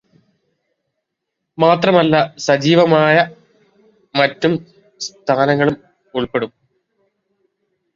മാത്രമല്ല സജീവമായ മറ്റു പ്രസ്ഥാനങ്ങളും ഉൾപ്പെടും.